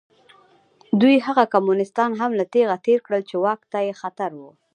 دوی هغه کمونېستان هم له تېغه تېر کړل چې واک ته یې خطر و.